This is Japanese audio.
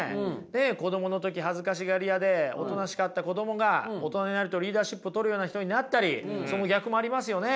子供の時恥ずかしがり屋でおとなしかった子供が大人になるとリーダーシップを取るような人になったりその逆もありますよね。